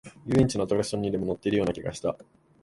遊園地のアトラクションにでも乗っているような気がした